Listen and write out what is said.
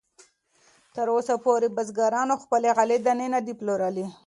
تراوسه پورې بزګرانو خپلې غلې دانې نه دي پلورلې.